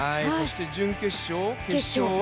準決勝、決勝は？